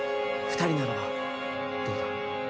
二人ならばどうだ？